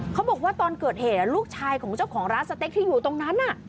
เขาบอกว่าตอนเกิดเหตุลูกชายของเจ้าของร้านสเต็กที่อยู่ตรงนั้น